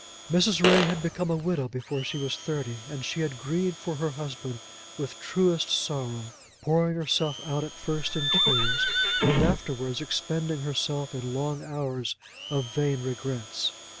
Mrs. Ray had become a widow before she was thirty; and she had grieved for her husband with truest sorrow, pouring herself out at first in tears, and afterwards expending herself in long hours of vain regrets.